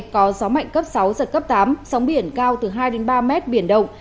có gió mạnh cấp sáu giật cấp tám sóng biển cao từ hai ba m biển đông